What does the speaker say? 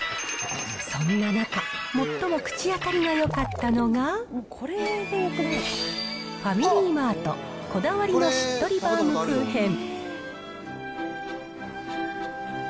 そんな中、最も口当たりがよかったのが、ファミリーマート、こだわりのしっとりバウムクーヘン。